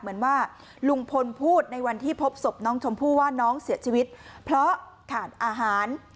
เหมือนว่าลุงพลพูดในวันที่พบศพน้องชมพู่ว่าน้องเสียชีวิตเพราะขาดอาหาร